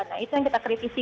nah itu yang kita kritisi